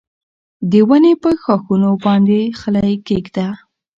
د ونې په ښاخونو باندې خلی کېږده.